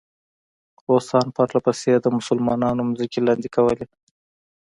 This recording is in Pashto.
روسان پرله پسې د مسلمانانو ځمکې لاندې کولې.